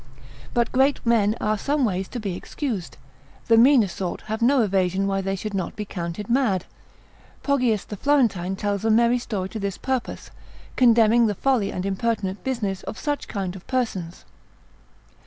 But great men are some ways to be excused, the meaner sort have no evasion why they should not be counted mad. Poggius the Florentine tells a merry story to this purpose, condemning the folly and impertinent business of such kind of persons.